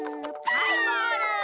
はいゴール！